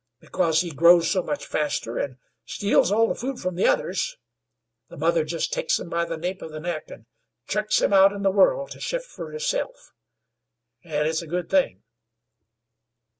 Because he grows so much faster, an' steals all the food from the others, the mother jest takes him by the nape of the neck an' chucks him out in the world to shift fer hisself. An' it's a good thing."